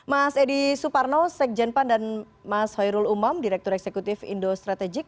mas edi suparno sek jenpan dan mas hoirul umam direktur eksekutif indostrategik